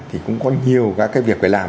thì cũng có nhiều cái việc phải làm